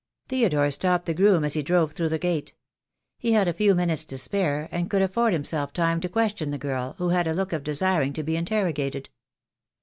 Theodore stopped the groom as he drove through the gate. He had a few minutes to spare, and could afford himself time to question the girl, who had a look of desiring to be interrogated.